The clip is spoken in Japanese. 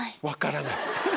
分からない？